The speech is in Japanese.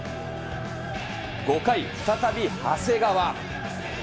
５回、再び、長谷川。